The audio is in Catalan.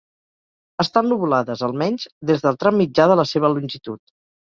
Estan lobulades, almenys, des del tram mitjà de la seva longitud.